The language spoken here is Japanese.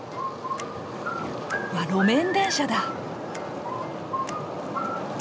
あ路面電車だ！